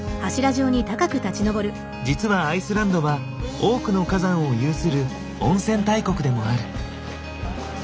実はアイスランドは多くの火山を有する温泉大国でもある。